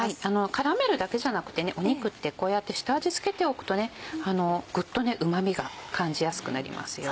絡めるだけじゃなくて肉ってこうやって下味付けておくとグッとうま味が感じやすくなりますよ。